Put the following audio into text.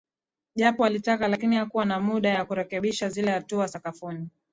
Japo alitaka lakini hakuwa na muda wa kurekebisha zile hatua sakafuni